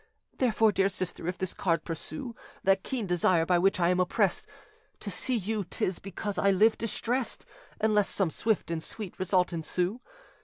Therefore, dear sister, if this card pursue That keen desire by which I am oppressed, To see you, 'tis because I live distressed, Unless some swift and sweet result ensue.